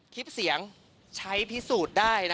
คลิปเสียงใช้พิสูจน์ได้